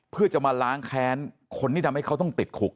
เพื่อจะมาล้างแค้นคนที่ทำให้เขาต้องติดคุก